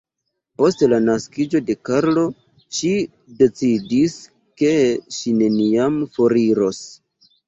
Post la naskiĝo de Karlo, ŝi decidis, ke ŝi neniam foriros.